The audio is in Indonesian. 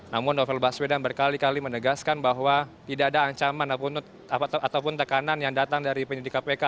namun novel baswedan berkali kali menegaskan bahwa tidak ada ancaman ataupun tekanan yang datang dari penyidik kpk